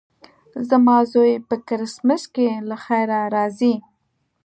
زما زوی په کرېسمس کې له خیره راځي.